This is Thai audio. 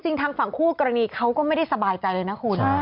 ทางฝั่งคู่กรณีเขาก็ไม่ได้สบายใจเลยนะคุณ